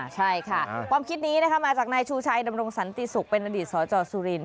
ใช่ค่ะความคิดนี้มาจากนายชูชัยดำรงสันติศุกร์เป็นอดีตสจสุรินท